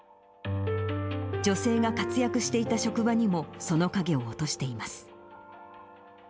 女性が活躍していた職場にも、その影を落としています。